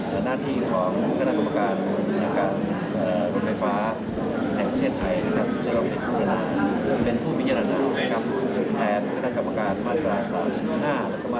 ๓๕และธรรมดาศาสินศ์อี่สาม